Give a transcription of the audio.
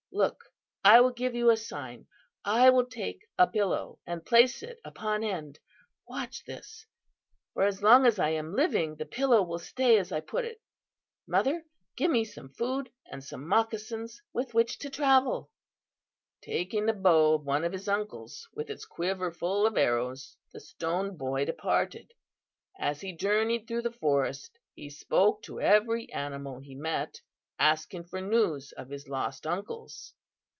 Look, I will give you a sign. I will take a pillow, and place it upon end. Watch this, for as long as I am living the pillow will stay as I put it. Mother, give me some food and some moccasins with which to travel!' "Taking the bow of one of his uncles, with its quiver full of arrows, the Stone Boy departed. As he journeyed through the forest he spoke to every animal he met, asking for news of his lost uncles.